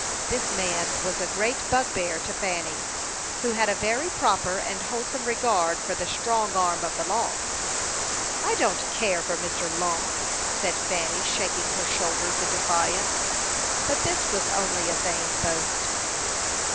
This man was a great bugbear to Fanny, who had a very proper and wholesome regard for the strong arm of the law. "I don't care for Mr. Long," said Fanny, shaking her shoulders in defiance; but this was only a vain boast.